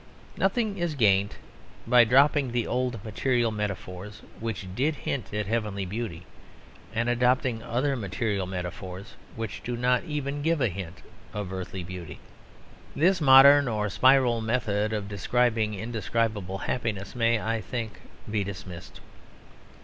Nothing is gained by dropping the old material metaphors, which did hint at heavenly beauty, and adopting other material metaphors which do not even give a hint of earthly beauty. This modern or spiral method of describing indescribable happiness may, I think, be dismissed.